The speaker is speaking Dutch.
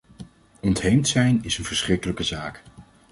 Ontheemd zijn is een verschrikkelijke zaak.